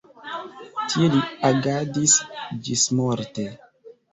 Tie li agadis ĝismorte.